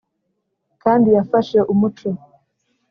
kandi yafashe umuco